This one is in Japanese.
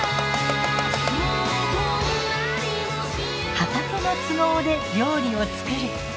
畑の都合で料理を作る。